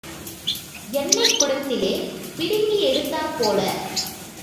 எண்ணெய்க் குடத்திலே பிடுங்கி எடுத்தாற் போல.